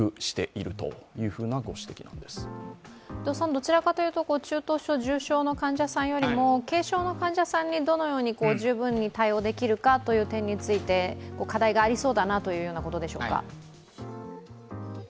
どちらかというと中等症、重症の患者さんよりも軽症の患者さんにどのように十分に対応できるかという点について課題がありそうだなということでしょうか？